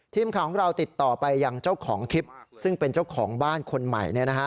ทีมข่าวของเราติดต่อไปยังเจ้าของคลิปซึ่งเป็นเจ้าของบ้านคนใหม่